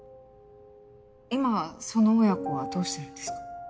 今その親子はどうしてるんですか？